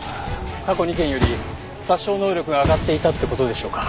過去２件より殺傷能力が上がっていたって事でしょうか？